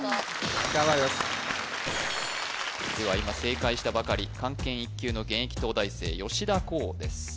頑張りますでは今正解したばかり漢検１級の現役東大生田晄です